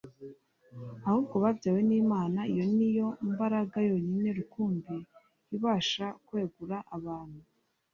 ahubwo babyawe n'Imana." Iyo ni yo mbaraga yonyine rukumbi ibasha kwegura abantu.